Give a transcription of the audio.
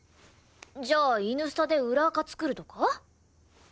じゃあイヌスタで裏アカ作るとか？